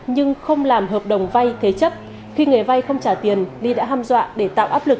nhưng không làm hợp đồng vay thế chấp khi người vay không trả tiền ly đã ham dọa để tạo áp lực